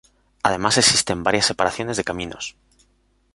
Además existen varias separaciones de caminos.